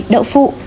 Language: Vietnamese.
bảy đậu phụ